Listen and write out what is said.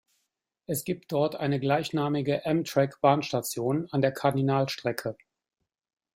Es gibt dort eine gleichnamige Amtrak-Bahnstation an der Cardinal-Strecke.